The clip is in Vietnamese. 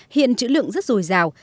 hiện chữ lượng rất dồi dào